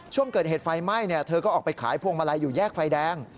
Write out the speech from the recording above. ช่วงเกิดเหตุไฟไหม้เธอก็ออกไปขายพวงมาลัยอยู่แยกไฟแดง